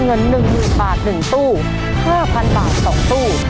เงิน๑๐๐๐บาท๑ตู้๕๐๐บาท๒ตู้